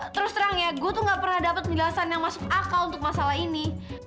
terus terang ya gue tuh gak pernah dapat penjelasan yang masuk akal untuk masalah ini